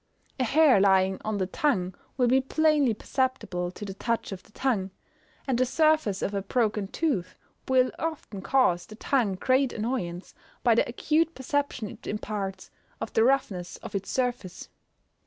A hair lying on the tongue will be plainly perceptible to the touch of the tongue; and the surface of a broken tooth will often cause the tongue great annoyance, by the acute perception it imparts of the roughness of its surface.